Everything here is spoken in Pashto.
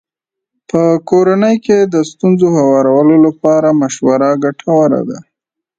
په کورنۍ کې د ستونزو هوارولو لپاره مشوره ګټوره ده.